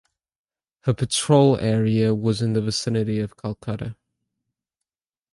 Her patrol area was in the vicinity of Calcutta.